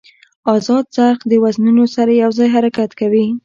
ازاد څرخ د وزنونو سره یو ځای حرکت کوي.